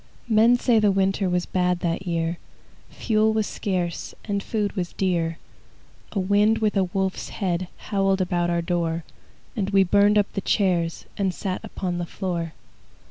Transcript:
Men say the winter Was bad that year; Fuel was scarce, And food was dear. A wind with a wolf's head Howled about our door, And we burned up the chairs And sat upon the floor.